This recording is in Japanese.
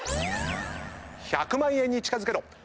１００万円に近づけろ！